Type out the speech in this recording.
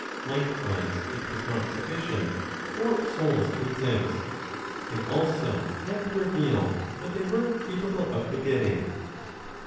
Likewise, it was not sufficient for souls to exist, they also had to reveal what they were capable of begetting.